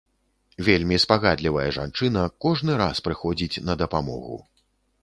Вельмі спагадлівая жанчына, кожны раз прыходзіць на дапамогу.